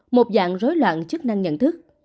một dạng rối loạn chức năng nhận thức